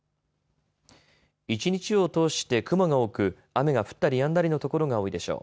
一日を通して雲が多く雨が降ったりやんだりの所が多いでしょう。